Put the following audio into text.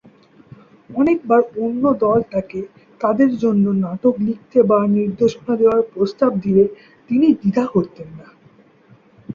অনেকবার অন্য দল তাকে তাদের জন্য নাটক লিখতে বা নির্দেশনা দেওয়ার প্রস্তাব দিলে, তিনি দ্বিধা করতেন না।